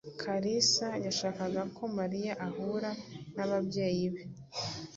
Kalisa yashakaga ko Mariya ahura n'ababyeyi be.